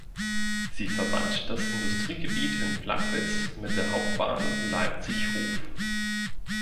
Sie verband das Industriegebiet in Plagwitz mit der Hauptbahn Leipzig–Hof.